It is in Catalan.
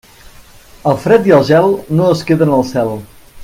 El fred i el gel no es queden al cel.